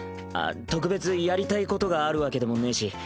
特別やりたいことがあるわけでもねぇし。